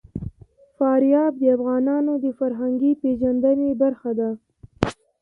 فاریاب د افغانانو د فرهنګي پیژندنې برخه ده.